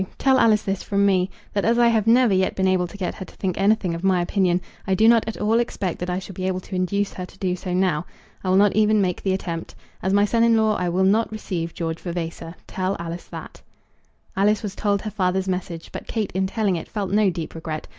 Tell Alice this from me, that as I have never yet been able to get her to think anything of my opinion, I do not at all expect that I shall be able to induce her to do so now. I will not even make the attempt. As my son in law I will not receive George Vavasor. Tell Alice that." Alice was told her father's message; but Kate in telling it felt no deep regret.